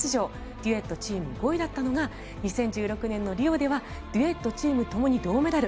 デュエット、チーム５位だったのが２０１６年のリオではデュエット、チームともに銅メダル。